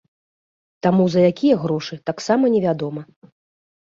Таму, за якія грошы, таксама не вядома.